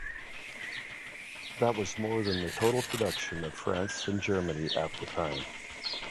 That was more than the total production of France and Germany at the time!